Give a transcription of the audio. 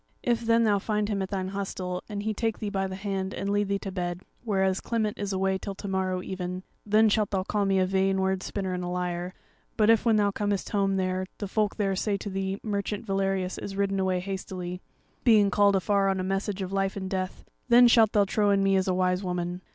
If then thou find him at thine hostel, and he take thee by the hand and lead thee to bed, whereas Clement is away till to morrow even, then shalt thou call me a vain word spinner and a liar; but if when thou comest home there, the folk there say to thee merchant Valerius is ridden away hastily, being called afar on a message of life and death, then shalt thou trow in me as a wise woman.